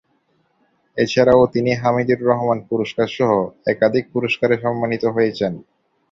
এছাড়াও তিনি হামিদুর রহমান পুরস্কার সহ একাধিক পুরস্কারে সম্মানিত হয়েছেন।